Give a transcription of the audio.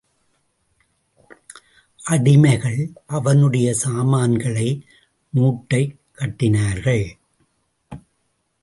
அடிமைகள் அவனுடைய சாமான்களை மூட்டைக் கட்டினார்கள்.